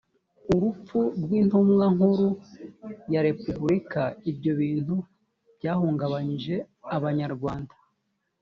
urupfu rw’intumwa nkuru ya repubulika ibyo bintu byahungabanyije abanyarwanda.